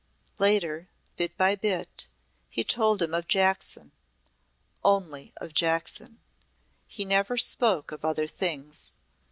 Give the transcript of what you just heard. Later, bit by bit, he told him of Jackson only of Jackson. He never spoke of other things.